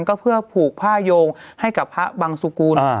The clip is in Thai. ก็เพื่อผูกผ้าโยงให้กับพระบังสุกูล